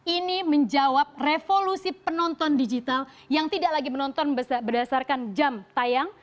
ini menjawab revolusi penonton digital yang tidak lagi menonton berdasarkan jam tayang